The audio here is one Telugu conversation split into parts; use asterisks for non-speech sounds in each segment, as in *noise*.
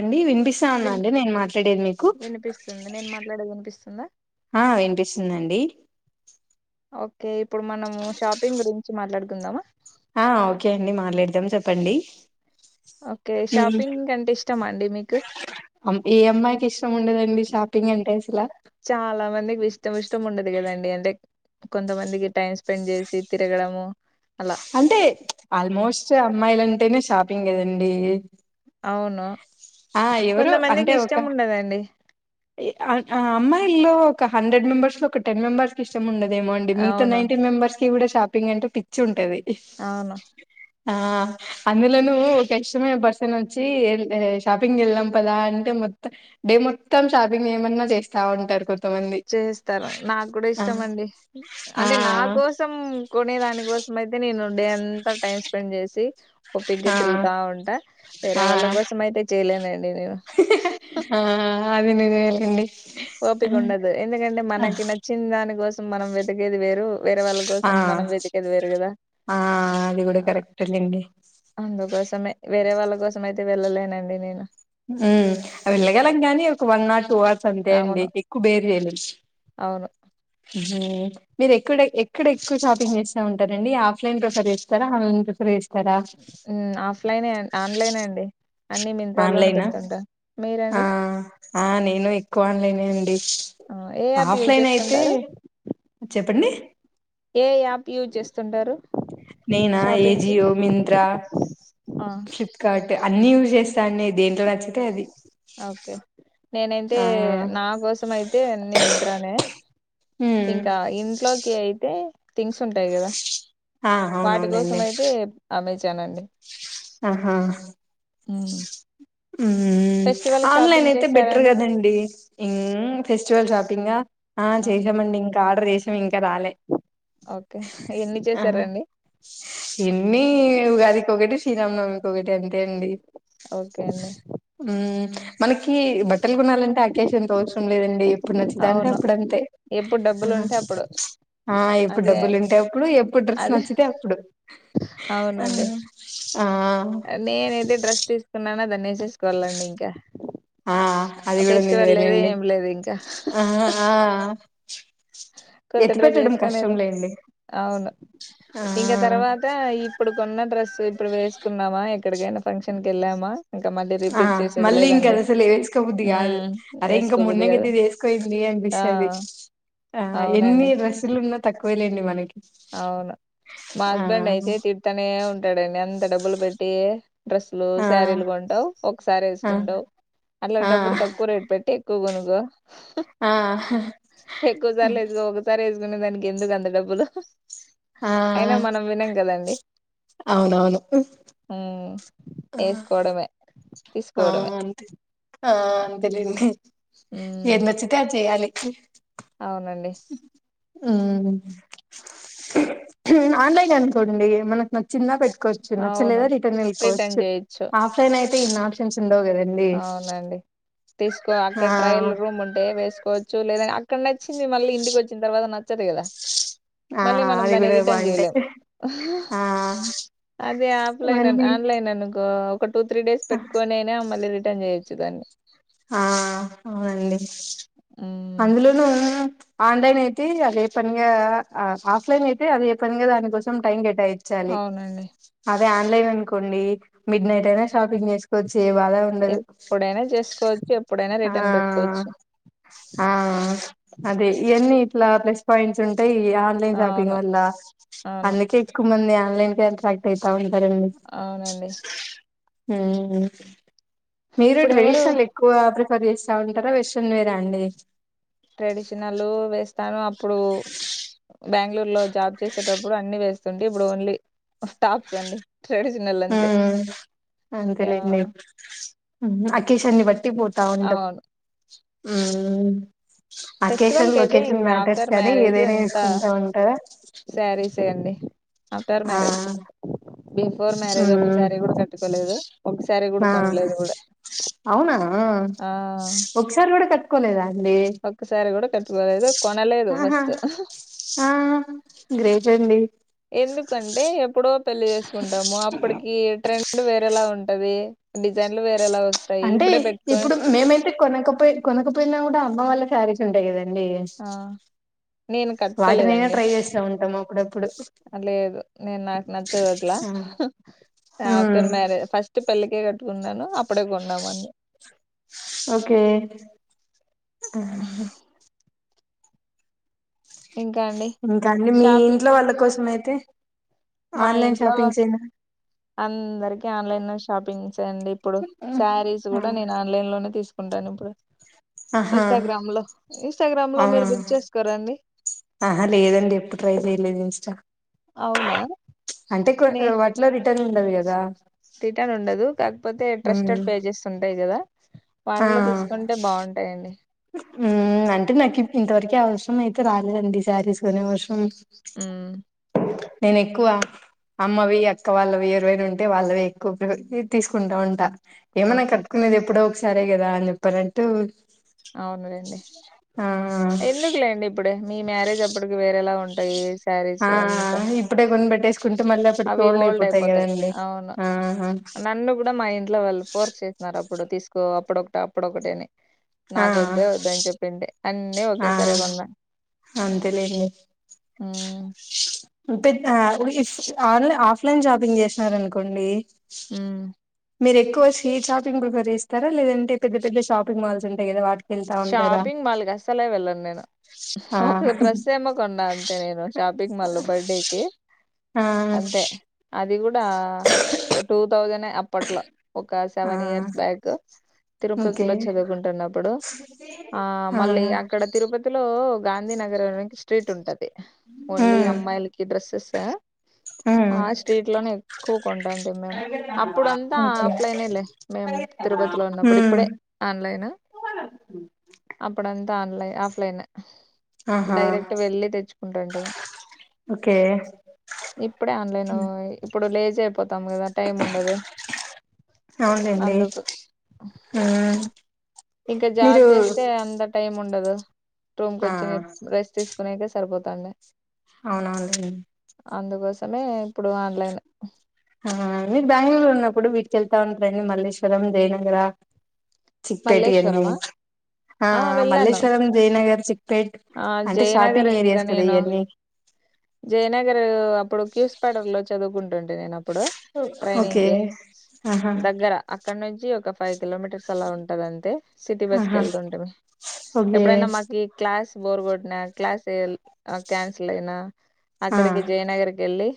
అండి వినిపిస్తా ఉన్నా విన్ అండి నేను మాట్లాడేది మీకు వినిపిస్తుంది నేను మాట్లాడేది వినిపిస్తుందా ఆ వినిపిస్తది అండి *inaudible* ఓకే ఇప్పుడు మనము షాపింగ్ గురించి మాట్లాడుకుందామా ఆ ఓకే అండి మాట్లాడదాం చెప్పండి ఓకే హ్మ్ షాపింగ్ కంటే ఇష్టమా అండి మీకు అమ్ ఏ అమ్మాయికి ఇష్టం ఉండదండి షాపింగ్ అంటే అసలా చాలా మందికి ఇష్టం ఇష్టం ఉండదు కదండి అంటే కొంతమందికి టైం స్పెండ్ చేసి తిరగడము అలా అంటే ఆల్మోస్ట్ ే అమ్మాయిల అంటేనే షాపింగ్ కదండి అవును ఆ ఎవరు కొంతమందికి అంటే ఒక ఇష్టం ఉండదండి ఆ అమ్మాయిల్లో ఒక హండెడ్ మెంబర్స్ లో ఒకెబర్స్ ఇష్టం ఉండదు అదమో అడి మీకుతో అవును నైన్ మెంబర్స్ కింద షాపింగ్ అంటే పిచ్చి ఉంటది అవును ఆ అందులోన ఒక ఇష్టమేనా పర్సన్ వచ్చి షాపింగ్ వెళ్ళాం కదా అంటే మొత్తం డే మొత్తం షాపింగ్ ఏమన్నా చేస్తా ఉంటారు కొ చేస్తారు నాకు కూడా ఇష్టం అండి ఆ అంటే నా కోసం కొనే దానికోసం అయితే నేను డే అంతా టైం స్పెండ్ చేసి స ఓపిగ్గా ఆ తిరుగుతా ఉంటా వేరే ఆ వాళ్ళ కోసం అయితే చేయలేనండి నేను ఆ అదే నీనే ఏలిండి ఓపిక ఉండదు ఎందుకంటే మనకి నచ్చిన దానికోస్ మనం వెతికేది వేర్ ర్ వేరే వాళ్ళ ఆ కోసం మనం వెతికిదివేరు కదా ఆ అది కూడా కరెక్ట్ లేండి అందుకోసమే వేరే వాళ్ళ కోసం అయితే వెళ్ళలేనండి నేన్ హు వెళ్ళగలం గానీ ఒక వన్ ఆర్ టూ ఆర్ సంతే అండి అవును ఎక్కువ బేర్ చేయలేం అవును మీరు ఎక్కడ ఎక్కడ ఎక్కువ షాపింగ్ చేస్తా ఉంటారండి ఆఫ్లైన్ ప్రిఫర్ చేస్తారా ఆన్లైన్ ప్రిఫర్ చేస్ ఆఫ్లైనే ఆన్లైనే అండి అన్ని మింత్రాల్లోనే ఆన్లైన్ పెడుతుంటా ఆ మీరండి ఆ నేను ఎక్కువ ఆన్లైనే అండి ఆ, ఏ యాప్ యూజ్ ఆఫ్లైన్ అయితే చేస్తుంటారు చెప్పండి ఏ యాప్ యూజ్ చేస్తుంటారు నేనా షాపింగ్ కి ఏజియో మింత్రా ఆ, ఫ్లిప్కార్ట్ అన్ని యూజ్ చేస్తా అండి దేంట్లో నచ్చితే అది ఓకే నేనైతే ఆ నా కోసం అయితే అన్ని మింత్రానే, మ్మ్ ఇంకా ఇంట్లోకి అయితే థింగ్స్ ఉంటాయి కదా ఆ వాటి కోసం అవునవునులేండి అయితే ఆమె చ్చానండి ఆహా హుమ్ ఫెస్టివల్ కి ఆన్లైన్ షాపింగ్ అయితే బెటర్ చేసారండి కదండి ఇన్ ఫెస్టివల్ షాపింగ్ ఆ చేసామండి ఇంకా ప్రేశం ఇంగ్ ఓకే ఎన్ని చేసారండి ఇన్ని ఉగాది కొకటి శ్రీ రామ్ నవమీ కోగటె అండి టెండి ఓకే అండి హుమ్ మనకి బట్టలు గొనాలంటే ఆకేషన్ తో అవసరం లేదండి ఎప్పుడు నచ్చితా అంటే అవును అప్పుడు అంతే ఎప్పుడు డబ్బులు ఉంటే అప్పుడు ఆ ఎప్పుడు అదే డబ్బులుంటే అప్పుడు ఎప్పుడు డ్రెస్ అదే నచ్చితే అప్పుడు అవునండి ఆ ఆ నేనయితే డ్రెస్ తీసుకున్నాన దన్ నే సెస్ కోళండి ఇంకా ఆ అది గూడ ఫెస్టివల్ లేదు నిజమేలెండి ఏం లేదు ఇంకా ఆహా ఆ కొత్త ఎత్తి డ్రెస్ పెట్టడం కష్టం వేసుకొనేలే లేండి అవును ఇంకా ఆ తర్వాత ఇప్పుడు కొన్న డ్రెస్ ఇప్పుడు వేసుకున్నామా ఎక్కడికైనా ఫంక్షన్కి వెళ్ళామా ఇంకా మళ్ళీ ఆ రిపీట్ చేసేది మళ్ళీ లేదండి ఇంకాది అసలు వేసుకోబుద్ది కాదు ఉమ్ అరే ఇంకా వేసుకోబుద్ది మొన్న కాదు గది ఇది వేసుకోపోఇంది ఆ అనిపిిస్తాది ఆ ఎన్ని అవునండి డ్రస్సులు ఉన్నా తక్కు వేలేండి మనకి అవును మా ఆ హస్బెండ్ అయితే తిడుతనే ఉంటాడండి అ డబ్బులు పెట్టి డ్రెస్సులు ఆ శారీలు కొంటావు ఒకసారి ఆ వేసుకుంటావు ఆ అట్లాంటప్పుడు తక్కువ రేట్ పెట్టి క్కువ కొనుకొ ఆ ఎక్కువ సార్లు అసుకో ఒకసారి ఎస్ కునే దానికి ఎందుకు అంత డబ్బులు ఆ అయినా మనం వినం కదండి అవునవును ఉమ్ ఆ వేసుకోవడమే ఆ తీసుకోవడమే అంతే ఆ అంతేలేండి ఉమ్ ఎదినచ్చితే అది చేయ్యాలి అవునండి హు ఆన్లైన్ అనుకోండి మనకు నచ్చింద పెట్ కొచ్చు అవును నచ్చలేదా రిటర్న్ వెళ్ళిపోవ్ రిటర్న్ చ్చు చేయొచ్చు ఆఫ్లైన్ అయి తే ఇన్ని ఆప్షన్స్ ఉండవు కదండి అవునండి తీసుకో అక్కడ ట్రయల్ ఆ రూమ్ ఉంటే వేసుకో చ్చు లేదా అక్కన్నే నచ్చింది మళ్ళీ ఇంటికి వచ్చిన తర్వాత నచ్చదు కదా ఆ మళ్ళీ మనం అది దాన్ని కూడా రిటర్న్ బాగుంటాయి చేయలేం ఆ అదే ఆఫ్ఫ్లిన్ అన్ మళ్ళీ ఆన్లైన్ అనుకో ఒక టూ త్రీ డేస్ పెట్టుకొనైనా మళ్ళి రి టన్ చేయ్యొచ్చు దాన్ని ఆ అవునండి హ్మ్. అందులోను ఆన్లైన్ అయితే అదే పనిగా ఆఫ్ఫ్లిన్ అయితే పనిగా దానికోసం టైం కేట్ టాఇంచాలి అవునండి అదే ఆన్లైన్ అనుకోండి మిడ్ నైట్ అయినా షాపింగ్ చేసుకోవ చ్చు ఏ బాధ ఉండదు ఎప్పుడైనా చేసుకోవచ్చు ఎప్పుడైనా ఆ రిటర్న్ పెట్టుకోవచ్చు ఆ ఆ ఆ అదే అన్ని ఇట్లా ప్లస్ పాయింట్స్ ఈ ఆన్లైన్ షాపింగ్ అవును వల్ల అవును అందుకే ఎక్కువమంది ఫ్యాక్టరీస్ కాగుంటరడి అవునండి హు మీరు ఇప్పుడు ట్రై ఎవరు ఎక్కువ మీరు ఇంట్లో ఉంటారా వెస్ట్రన్ వేరండి ట్రెడిషనలు వెస్ట్ తను అప్పుడు బెంగళూరు లో జాబ్ చేసేటప్పుడు అన్ని వేస్ డి ఇప్పుడు ఓన్లీ టాప్స్ అండి ట్రెడిషనల్ హ అంతే అంతలేండి యాహ్! అకేషన్ బట్టి పోతా ఉండవు అవును ఉ ఫెస్టివల్ కి అయితే ఇంకా ఆఫ్టర్ కానీ మ్యారేజ్ ఏదైనా ఎంత వేసుకుంటా ఉంటారా సారీ సేయండి ఆఫ్టర్ ఆ మ్యారేజ్ బిఫోర్ మ్యారేజ్ మ్మ్. ఒకసారి కూడా కట్టుకోలేదు ఒకసారి కూడా కొనలేదు కూడా అవునా ఆ ఆ ఒకసారి కూడా కట్టుకోలే కొలేద అండి ఒక్కసారి కూడా కట్టుకోలేదు కొనలేదు ఆహా ఫస్ట్ ఆ గ్రేట్ అండి ఎందుకంటే ఎప్పుడో పెళ్లి చేసుకుంటాము అప్పటికి ట్రెండ్ వేరేలా ఉంట అవే అంటే ఇప్పుడు మేమైతే కొనకపో కొనకపోయినా కూడా అమ్మ వాళ్ళకి సారీస్ ఉంటాయి కదండీ అండి ఆ నేను వాటి నేనే కట్టుకోలేదండి ట్రై చేస్తా ఉంటాము అప్పుడప్పుడు లేదు నేను నాకు నా నాకు నచ్చదు అట్లా ఆ ఆఫ్టర్ ఉమ్ మ్యారేజ్ ఫస్ట్ పెళ్లికి కట్టుకున్నాను అప్పుడే కొన్నామన్ని ఓకే హా ఇంకా అండి ఇంకాని మీ షాపింగ్ ఇంట్లో వాళ్ళ కోసంయితే తే మా ఇంట్లో అందరికి ఆన్లైన్ షాపింగ్స్ అండి ఇప్పుడు శారీస్ కూడా నేను ఆన్లైన్ లోనే తీసుకు ఉంటని ఇప్పుడు ఆహా ఇన్స్టాగ్రామ్ లో ఇన్స్టాగ్రామ్ లో ఆ మీరు బుక్ చేసుకోరండి ఆహా లేదండి ఎప్పుడు ట్రై చెయలేదు ఇన్స్టా అవునా అంటే కొ నీ వాటిలో రిటర్న్ ఉండదు కదా రిటర్న్ ఉండదు కాకపోతే ఉమ్ ట్రస్టెడ్ పేజెస్ ఉంటాయి కదా వాటిలో తీసుకుంటే బాగుంటాయండి ఉ అంటే నాకు ఇంతవరకే అవసరం అయితే రాలేదండి సారీస్ కొనే అవసరం ఉమ్ నేను ఎక్కువ అమ్మవి అక్క వాళ్ళవి ఇరవైరు ఉంటే వాళ్ళవి ఎక్కువ తీసుకుంటా ఉంటా ఏమైనా ఓకే కట్టుకునేది ఎప్పుడో సరే గదా అని చెప్పానాటు ఆవునులేండి ఎందుకులేండి ఇప్పుడె మీ మ్యారేజ్ అప్పటికి వేరేలా ఉంటాయి ఆ శారీస్ అంత ఇప్పుడే కొని పెట్టేసుకుంటే మళ్ళీ అప్పటికి అవి ఓల్డ్ అయిపోతాయి అయిపోతయి కదండి అవును ఆహా నన్ను గుడ మా ఇంట్లో వాళ్ళు ఫోర్స్ చేసినారు అప్పు ఇప్పుడు తీస్కో అప్పుడు ఒకటి అప్పుడు ఒకటేనే ఆ నాకు వద్దే వద్దని చెప్పిండె అన్నీ ఒకే ఆ సరే కొన్న అంతేలేండి పెద్ద ఆన్లై ఆఫ్లైన్ షాపింగ్ చేస్నారనుకోండి ఉహు మీరు ఎక్కువ స్ట్రీట్ షాపింగ్ ప్రిఫర్ చేస్తారా లేదంటే పెద్ద పెద్ద షాపింగ్ మాల్స్ ఉంటాయి కదా వాటి షాపింగ్ మాల్ అస్సలే వెళ్ళను నేను ఆ ఒక డ్రెస్ ఏమోకొన్న అంతే నేను షాపింగ్ మాల్ లో బర్త్డేకి ఆ అంతే అది గుడ టూ తథౌసండ్ ఏ ఆపట్లా ఒక ఆ సెవెన్ ఇయర్స్ బ్యాక్ ఓకే తిరుపతిలో చదుకుంటున్నపుడు ఆ మళ్ళీ అక్కడ తిరుపతిలో ఓ గాంధీ నగర్ అని స్ట్రీట్ ఉంటది ఓన్లీ ఉమ్ అమ్మాయిల్కి డ్రెస్సెస్ స ఉమ్ ఆ స్ట్రీట్ లోనే ఎక్కువ కొంటాంటి మేము అప్పుడంతా ఓకే ఆఫ్లైనే లే మేము తిరుపతిలో ఉన్నప్పుడు ఉమ్ ఇప్పుడే ఆన్లైన్ అప్పుడంత ఆన్లైన్ ఆఫ్లైన్ ఆహా డైరెక్ట్ వెళ్లి తెచ్చుకుటంటిమి ఓకే ఇప్పుడే ఆన్లైన్ ఇప్పుడు లెజి అయిపోంది తం కదా టైం ఉండదు అవునులేండి అందుకు ఉమ్ ఇంకా జా మీరు చేస్తే అంత టైం ఉండదు ఆ రూమ్కొచ్చి రెస్ తీసుకు కొనేకె సరిపోతాండి అవునలేండి అందుకోసమే ఇప్పుడు ఆన్లైన్ ఆ మీరు బ్యాంగ్లూర్ ఉన్నప్పుడు బీచ్కెళ్తా ఉంటార మల్లేశ్వరం దేయనగర చిక్పేట అని మల్లేశ్వరమా ఆ మల్లేశ్వరం జయనగర్ చిక్పేట్ ఆ అంటే షాపింగ్ జయనగర్ం ఇంకా ఏరియాస్ కదా నేను ఇయన్నీ జయనగర్ అప్పుడు క్యూస్ పడర్ లో చదుగుం వెళ్తుంటి నేను అప్పుడు ట్రైనింగ్ ఓకే కి ఆహా దగ్గర అక్కడ నుంచి ఒక ఫైవ్ కిలోమీటర్ అలా ఉంటది సిటీ బస్ కి ఆహా వెళ్తుంటిమి ఓకే ఎప్పుడైన్ మాకీ క్లాస్ బోర్ గొట్టిన క్లాస్ క్యాన్సిల్ అయినా ఆ అక్కడికి జయనగర్కి ఎల్లి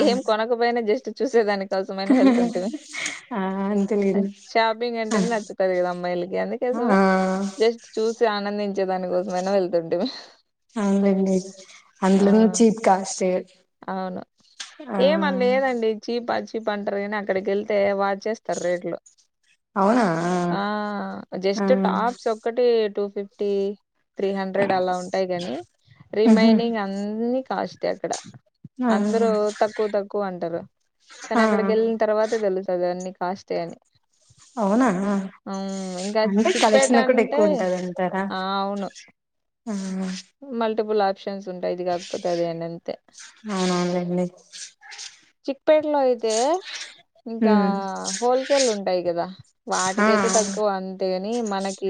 ఆ ఏం కొనకపోయినా జస్ట్ చూసేదాని సమైనా వెళ్తుంటుంది ఆ అంతేలేండి షాపింగ్ అంటే ఆ నచ్చుతది కదా అమ్మాయిలకి అందుకోసమే ఆ జస్ట్ చూసి ఆనందించ చెదని మైనా వెళ్తుంటి మీ అవునండి అందులో ను చీప్ కాస్ట్ అవును ఆ ఏమ లేదండి చీప్ బజ్జి బండ్రైన అక్కడికి వెళ్తే వాచేస్తారు రేట్లు అవునా ఆ ఆ జస్ట్ టాప్స్ ఒక్కటి టూ ఫటీటి త్రీ హండ్రెడ్ అలా ఉంటాయి కాని ఆహా రిమైనింగ్ అన్ని కాస్ట్ అ అక్కడ ఆ అందరుూ తక్కువ తక్కువ అంటారు కానీ ఆ అక్కడికి వెళ్ళిన తర్వాతే తెలుతుంది అన్ని కాస్తయాన్ని *unintelligible* అవునా ఇంకా అంటే చిక్పేట కలెక్షన్ కూడా అంటే ఎక్కువ ఉంటది అంటారా ఆ అవును ఆ బులా *unintelligible* ఆప్షన్స్ ఉంటాయి ఇది కాకపోతే అది అని అంతే. అవునవునులేండి చిక్ చిక్పేట్లో ఐతే ఇంకా ఉమ్ హోల్సేల్ ఉంటాయి కదా ఆ వాటికైతే తక్కువ అంతే మనకి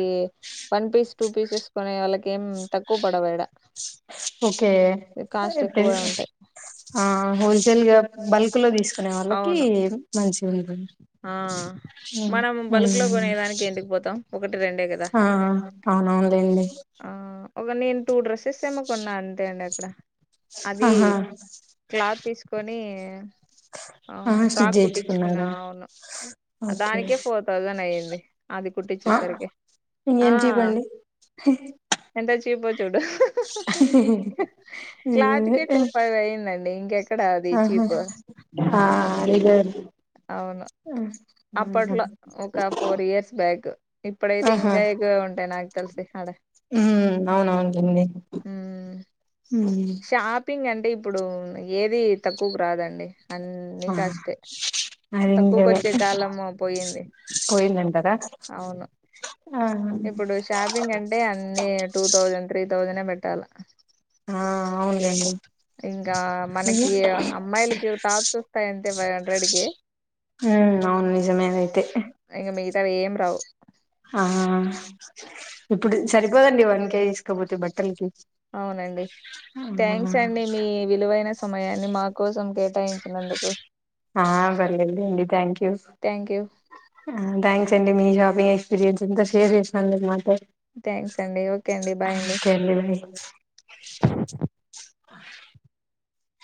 వన్ పీస్ టూ పీసెస్ కొనే వాళ్ళకి ఏం తక్కువ పడవాడ ఓకే కాస్ట్ ఎక్కువే ఉంటాయి ఆ హోల్ ల్గా బల్క్ లో తీసుకునే వాళ్ళకి అవును మంచి ఉ ఆ మనం బల్క్ లో కొనేదానికి ఎందుకు పోతాం ఒకటి రెండే కదా అ అవునవునులేండి ఆ ఒక నేను టూ డ్రెస్సెస్ ఏమోకొన్నా అంతే అండి అక్కడ అది ఆహా క్లాత్ తీసుకొని అే *unintelligible* ఆ స్టిచ్ జేయిచుకున్నారు అవును దానికే ఫోర్ థౌజండ్ అయ్యింది ఆది కుట్టిచ్చే ఆ సరికి ఆ ఇంకేం చీప్ అండి ఎంత చీప్ చూడు హ హ హ హ క్లాత్కే ఇదే టూ ఫైవ్ అయిందండి ఇంక ఎ ఆహా ఆ ఇద *unintelligible* అవును అప్పట్లో ఒక ఫోర్ ఇయర్స్ బ్యాక్. ఇప్పుడైతే ఆహా ఇంకా ఎక్కువే ఉంటాయి నాకు తెలిసి ఆడ ఉమ్ ఉ హ అంటే ఇప్పుడు ఏది తక్కువకు రాదండి అన్ని ఆ కాస్టే అది తక్కువకు నిజమే వచ్చే కాలము పోయింది పోయిందంటారా అవును ఆ ఇప్పుడు షాపింగ్ అంటే అన్ని టూ థౌజండ్ త్రీ థౌజండే పెట్ట పెట్టాల ఆ అవునులేండి ఇంకా మనకి అమ్మాయిలకి టాప్స్ వస్తాయి అంతే ఫైవ్ హండ్రెడ్ కి అ అవును నిజమే అదైతే ఎంగమే అవేం రావు ఆ ఇప్పుడు సరిపోదండి వన్ కేజీ తీసుకపోతే బట్టలకి అవునండి థ్యాంక్స్ అండి మీ విలువైన సమయాన్ని మా కోసం కేటాయించినందుకు ఆ పర్లేదులేండి thank you thank you waste జెన్స్ ఇంత సీరియస్ ఎందుకు ఉంటారు అంట థ్యాంక్స్ అండి ఓకే అండి బాయ్ అండి ఓకే బాయ్ ఆ